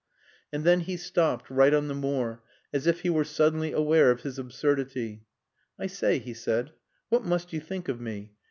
And then he stopped, right on the moor, as if he were suddenly aware of his absurdity. "I say," he said, "what must you think of me?